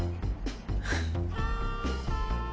フッ。